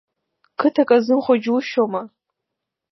Қыҭак азымхо џьушьома!